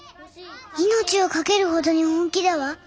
命を懸けるほどに本気だわ。